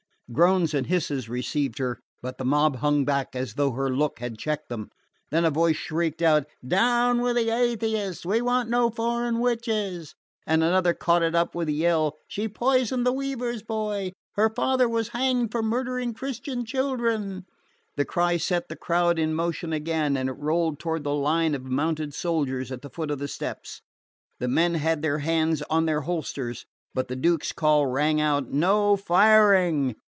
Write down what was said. Groans and hisses received her, but the mob hung back, as though her look had checked them. Then a voice shrieked out: "Down with the atheist! We want no foreign witches!" and another caught it up with the yell: "She poisoned the weaver's boy! Her father was hanged for murdering Christian children!" The cry set the crowd in motion again, and it rolled toward the line of mounted soldiers at the foot of the steps. The men had their hands on their holsters; but the Duke's call rang out: "No firing!"